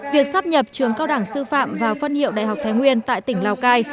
việc sắp nhập trường cao đẳng sư phạm vào phân hiệu đại học thái nguyên tại tỉnh lào cai